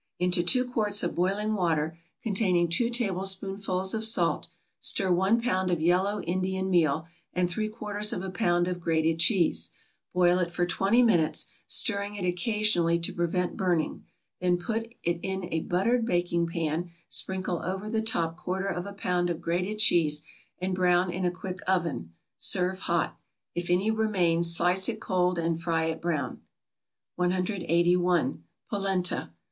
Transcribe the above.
= Into two quarts of boiling water, containing two tablespoonfuls of salt, stir one pound of yellow Indian meal, and three quarters of a pound of grated cheese; boil it for twenty minutes, stirring it occasionally to prevent burning; then put it in a buttered baking pan, sprinkle over the top quarter of a pound of grated cheese, and brown in a quick oven. Serve hot. If any remains, slice it cold and fry it brown. 181. =Polenta.